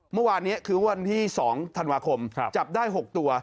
เมื่อวานเนี้ยคือเมื่อวานที่สองธันวาคมครับจับได้หกตัว